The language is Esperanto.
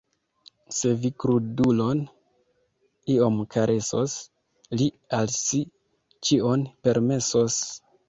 Se vi krudulon iom karesos, li al si ĉion permesos.